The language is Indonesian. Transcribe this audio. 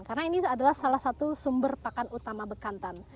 karena ini adalah salah satu sumber pakan utama bekantan